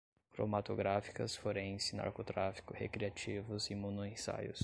cromatográficas, forense, narcotráfico, recreativos, imunoensaios